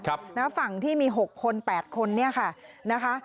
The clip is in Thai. นะฝั่งที่มีหกคนแปดคนเนี่ยค่ะนะคะ